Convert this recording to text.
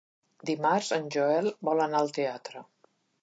Dimarts en Joel vol anar al teatre.